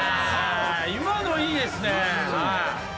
今のいいですね。